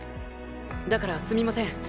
だからすみません。